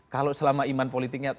kalau selama iman politiknya